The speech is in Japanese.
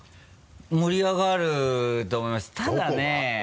盛り上がると思いますただね。